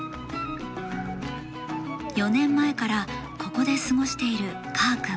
４年前からここで過ごしている、かーくん。